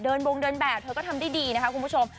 วงเดินแบบเธอก็ทำได้ดีนะคะคุณผู้ชม